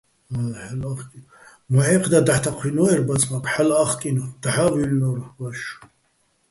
მოჰ̦ეჴდა დაჰ̦ თაჴვინო́ერ ბაცმაქ, ჰ̦ალო̆ ა́ხკინო̆, დაჰ̦ა́ ვუჲლლნო́რ ვაშო̆.